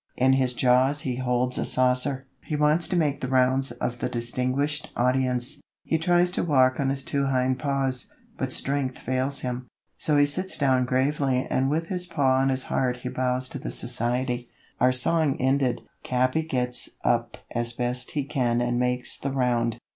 In his jaws he holds a saucer; he wants to make the rounds of the "distinguished audience." He tries to walk on his two hind paws, but strength fails him, so he sits down gravely and with his paw on his heart he bows to the society. Our song ended, Capi gets up as best he can and "makes the round."